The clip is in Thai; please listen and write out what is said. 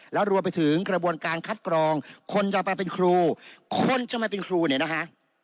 แล้วรวมไปถึงกระบวนการคัดกรองคนจะมาเป็นครูคนจะมาเป็นครูเนี่ยนะคะ